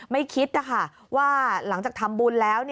ไม่คิดนะคะว่าหลังจากทำบุญแล้ว